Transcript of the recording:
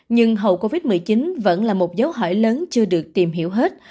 nhưng hậu covid một mươi chín vẫn là một dấu hỏi lớn chưa được tìm hiểu hết